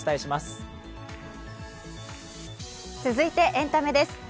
続いてエンタメです。